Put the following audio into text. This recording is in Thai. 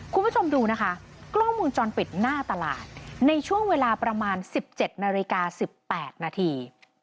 คุณผู้ชมดูนะคะกล้องมูลจรปิดหน้าตลาดในช่วงเวลาประมาณ๑๗นาฬิกา๑๘นาที